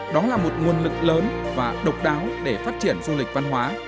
đó là một nguồn lực lớn và độc đáo để phát triển du lịch văn hóa